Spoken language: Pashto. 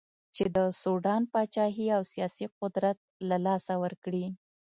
چې د سوډان پاچهي او سیاسي قدرت له لاسه ورکړي.